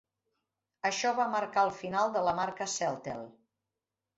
Això va marcar el final de la marca Celtel.